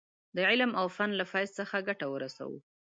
د علم او فن له فیض څخه ګټه ورسوو.